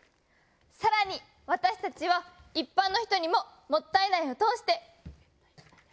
更に私たちは一般の人にももったい苗を通して。